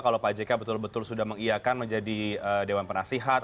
kalau pak jk betul betul sudah mengiakan menjadi dewan penasihat